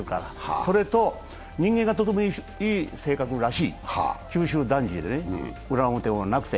それと人間がとてもいい性格らしい、九州男児で裏表もなくて。